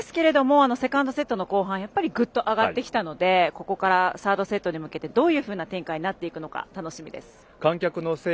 ですけどもセカンドセットの後半はグッと上がってきたのでここからサードセットに向けてどういうふうな展開になっていくのか楽しみです。